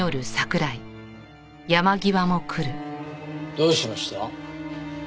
どうしました？